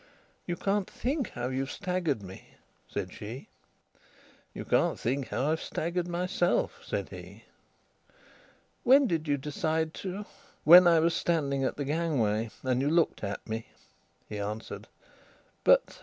"You can't think how you've staggered me," said she. "You can't think how I've staggered myself," said he. "When did you decide to..." "When I was standing at the gangway, and you looked at me," he answered. "But..."